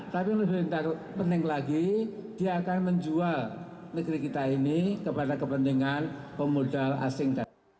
tapi lebih penting lagi dia akan menjual negeri kita ini kepada kepentingan pemodal asing